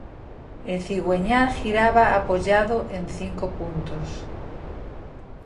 El cigüeñal giraba apoyado en cinco puntos.